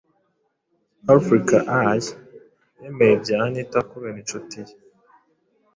africa eye yamenye ibya anita kubera inshuti ye,